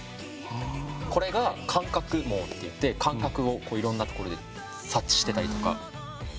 これが「感覚毛」っていって感覚をいろんなところで察知してたりとか。